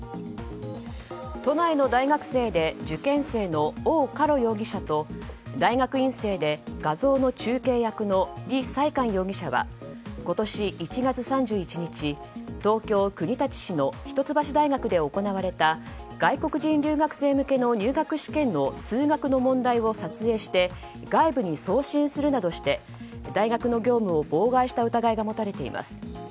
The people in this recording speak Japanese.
都内の大学生で受験生のオウ・カロ容疑者と大学院生で画像の中継役のリ・サイカン容疑者は今年１月３１日東京・国立市の一橋大学で行われた外国人留学生向けの入学試験の数学の問題を撮影して外部に送信するなどして大学の業務を妨害した疑いが持たれています。